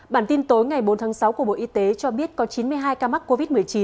bản tin tối ngày bốn tháng sáu của bộ y tế cho biết có chín mươi hai ca mắc covid một mươi chín